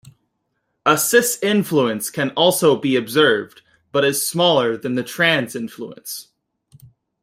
A "cis influence" can also be observed, but is smaller than the trans influence.